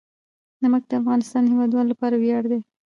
نمک د افغانستان د هیوادوالو لپاره ویاړ دی.